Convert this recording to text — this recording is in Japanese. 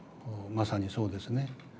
まさにそうですね。